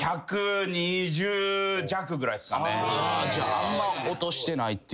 あんま落としてないっていう？